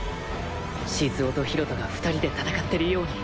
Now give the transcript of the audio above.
静雄と博人が２人で戦ってるように